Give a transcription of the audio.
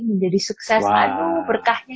menjadi sukses aduh berkahnya